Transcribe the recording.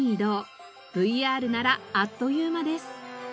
ＶＲならあっという間です。